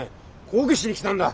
抗議しに来たんだ！